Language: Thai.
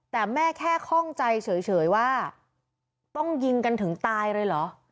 แต่แม่แค่คล่องใจเฉยว่าต้องยิงกันถึงตายเลยเหรอ